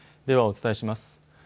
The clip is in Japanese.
では、お伝えします。